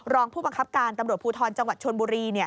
รองผู้บังคับการตำรวจภูทรจังหวัดชนบุรี